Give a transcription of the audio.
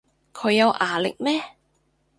佢有牙力咩